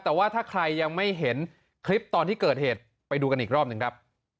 แต่ว่าถ้าใครยังไม่เห็นคลิปตอนที่เกิดเหตุไปดูกันอีกรอบหนึ่งครับ